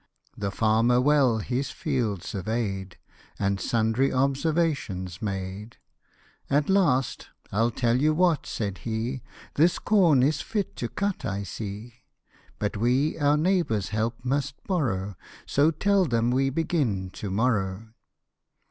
The farmer well his field surveyed, And sundry observations made ; At last, " 111 tell you what," said he, " This corn is fit to cut, I see ; But we our neighbours' help must borrow, So tell them we begin to morrow."